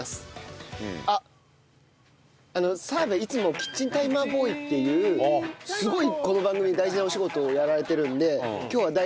澤部いつもキッチンタイマーボーイっていうすごいこの番組で大事なお仕事をやられてるんで。